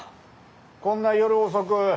こんな夜遅く。